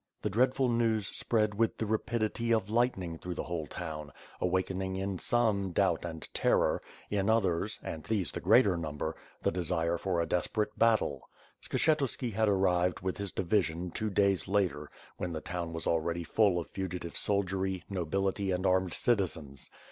The dreadful news spread with the rapidity of lightning through the whole town, awakening in some, doubt and terror; in others, and these the greater number, the desire for a desperate battle. Skshetuski had arrived with his division two days later, when the town was already full of fugitive soldiery, nobility and armed citi zens.